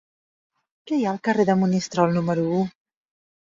Què hi ha al carrer de Monistrol número u?